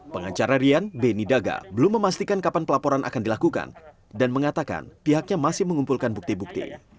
pengacara rian benny daga belum memastikan kapan pelaporan akan dilakukan dan mengatakan pihaknya masih mengumpulkan bukti bukti